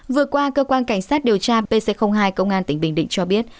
vừa qua cơ quan cảnh sát điều tra pc hai công an tỉnh bình định cho biết